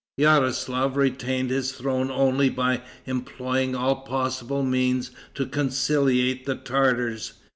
Yaroslaf retained his throne only by employing all possible means to conciliate the Tartars.